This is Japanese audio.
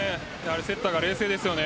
セッターが冷静ですよね。